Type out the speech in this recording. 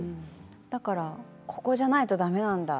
だからここじゃないとだめなんだ